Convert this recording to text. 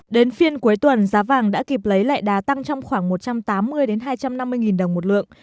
đến phiên cuối tuần giá vàng đã kịp lấy lệ đá tăng trong khoảng một trăm tám mươi hai trăm năm mươi đồng một lượng